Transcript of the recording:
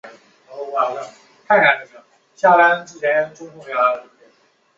该党曾是第四国际波萨达斯主义者的成员。